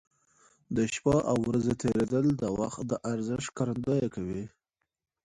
د شپو او ورځو تېرېدل د وخت د ارزښت ښکارندوي کوي.